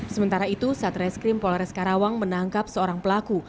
sementara itu satreskrim polres karawang menangkap seorang pelaku